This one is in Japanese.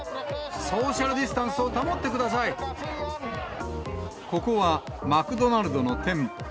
ソーシャルディスタンスを保ってここはマクドナルドの店舗。